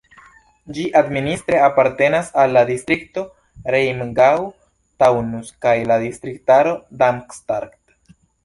Ĝi administre apartenas al la distrikto Rheingau-Taunus kaj la distriktaro Darmstadt.